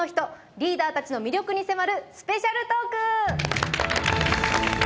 リーダーたちの魅力に迫るスペシャルトーク